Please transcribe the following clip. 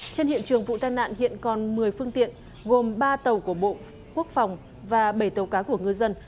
trên hiện trường vụ tai nạn hiện còn một mươi phương tiện gồm ba tàu của bộ quốc phòng và bảy tàu cá của ngư dân